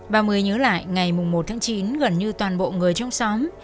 bà mới nhớ lại ngày một tháng chín gần như toàn bộ người trong xóm